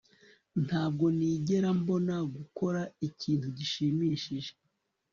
Ntabwo nigera mbona gukora ikintu gishimishije